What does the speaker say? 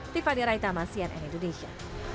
tifadir aitama cnn indonesia